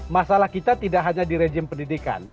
masalah kita tidak hanya di rejim pendidikan